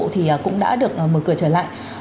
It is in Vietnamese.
thì cũng đã được mở cửa trở lại